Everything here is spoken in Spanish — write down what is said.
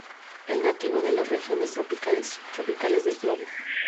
Es nativo de las regiones tropicales y subtropicales del globo.